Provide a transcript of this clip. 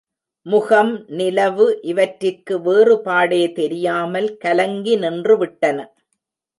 முகம்நிலவு இவற்றிற்கு வேறுபாடே தெரியாமல் கலங்கி நின்றுவிட்டன.